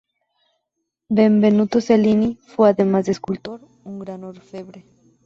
Benvenuto Cellini fue, además de escultor, un gran orfebre.